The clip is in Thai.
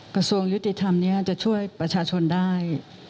กระทรวงยุติธรรมนี้จะช่วยประชาชนได้